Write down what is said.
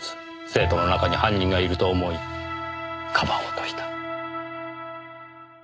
生徒の中に犯人がいると思いかばおうとした。